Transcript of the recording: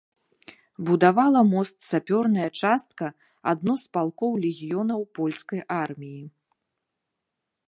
Будавала мост сапёрная частка адно з палкоў легіёнаў польскай арміі.